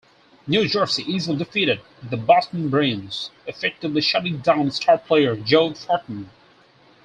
New Jersey easily defeated the Boston Bruins, effectively shutting down star player Joe Thornton.